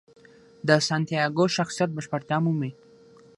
د سانتیاګو شخصیت بشپړتیا مومي.